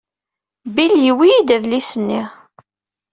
Bill yuwey-iyi-d adlis-nni.